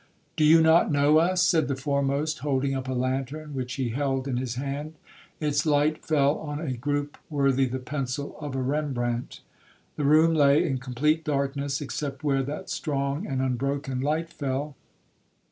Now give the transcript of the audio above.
'Do you not know us?' said the foremost, holding up a lantern which he held in his hand. Its light fell on a groupe worthy the pencil of a Rembrandt. The room lay in complete darkness, except where that strong and unbroken light fell.